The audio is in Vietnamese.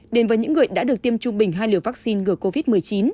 đến với những người đã được tiêm trung bình hai liều vaccine ngừa covid một mươi chín